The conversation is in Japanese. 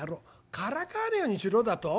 からかわねえようにしろだと！？